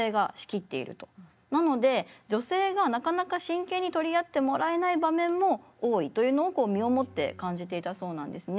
なので女性がなかなか真剣に取り合ってもらえない場面も多いというのをこう身をもって感じていたそうなんですね。